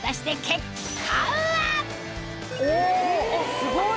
すごい！